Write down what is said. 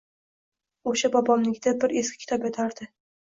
O’sha bobomnikida bir eski kitob yotardi.